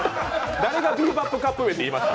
誰がビーバップカップ麺っていいました？